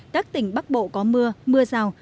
các tỉnh bắc bộ có mưa mưa rào